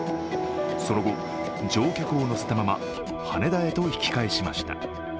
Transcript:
その後、乗客を乗せたまま羽田へと引き返しました。